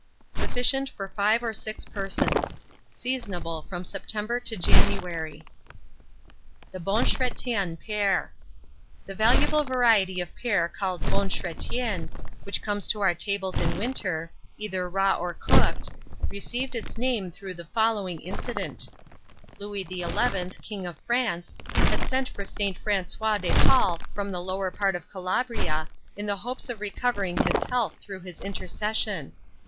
Sufficient for 5 or 6 persons. Seasonable from September to January. THE BON CHRETIEN PEAR. The valuable variety of pear called Bon Chrétien, which comes to our tables in winter, either raw or cooked, received its name through the following incident: Louis XI., king of France, had sent for Saint Francois de Paule from the lower part of Calabria, in the hopes of recovering his health through his intercession.